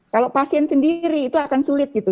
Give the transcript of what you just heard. kalau pasien sendiri itu akan sulit gitu